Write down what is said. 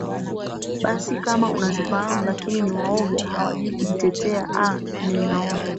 basi kama unazifahamu lakini ni waoga hawajui kujitetea aa ni naona